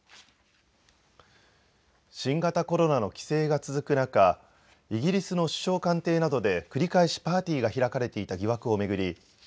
新型コロナの規制が続く中、イギリスの首相官邸などで繰り返しパーティーが開かれていた疑惑を巡り